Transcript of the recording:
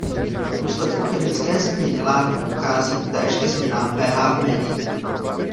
V důsledku chemické změny látek dochází též ke změnám pH v médiích.